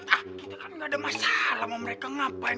kita kan nggak ada masalah sama mereka ngapain